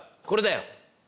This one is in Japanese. これだよ。